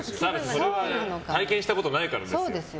それは体験したことないからですよ。